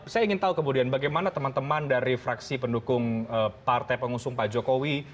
saya ingin tahu kemudian bagaimana teman teman dari fraksi pendukung partai pengusung pak jokowi